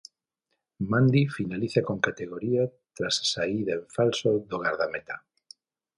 Mandi finaliza con categoría tras a saída en falso do gardameta.